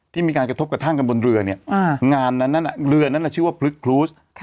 ที่มีการกระทบกับท่างกันบนเรือเนี่ยเรือนั้นชื่อว่าพลึกครูส